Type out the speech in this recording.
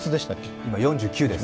今４９です。